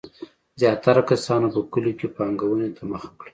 زیاتره کسانو په کلیو کې پانګونې ته مخه کړه.